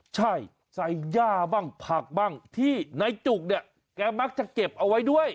ใช่ใส่ย่าบ้างผักบ้างที่นายจุกเนี่ยแกมักจะเก็บเอาไว้ด้วย